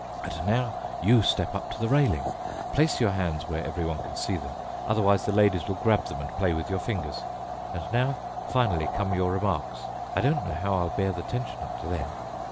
And now you step up to the railing. Place your hands where everyone can see them. Otherwise the ladies will grab them and play with your fingers. And now finally come your remarks. I don't know how I'll bear the tension up to then.